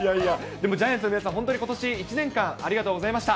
でもジャイアンツの皆さん、本当にことし一年間、ありがとうございました。